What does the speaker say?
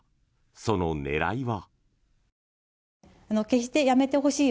その狙いは。